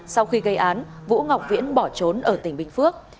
sau khi gây án vũ ngọc viễn bỏ trốn ở tỉnh bình phước